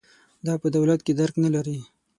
دا په دولت کې درک نه لري.